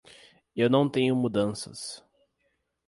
Eu não tenho mudanças.